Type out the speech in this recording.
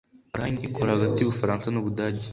Rhine ikora hagati y'Ubufaransa n'Ubudage.